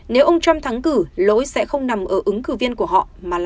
nếu ông trump thắng cử lỗi sẽ không nằm ở ứng cử viên của họ mà